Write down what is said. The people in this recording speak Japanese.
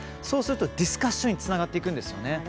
そうするとディスカッションにつながっていくんです。